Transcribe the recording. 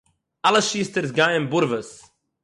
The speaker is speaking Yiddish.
אַלע שוסטערס גייען באָרוועס.